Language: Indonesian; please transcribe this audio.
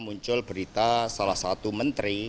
muncul berita salah satu menteri